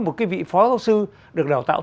một vị phó giáo sư được đào tạo